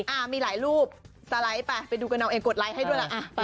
คุณผู้ชมมีหลายรูปสไลด์ไปดูกันเอาไอนกดไลก์ให้ด้วยละ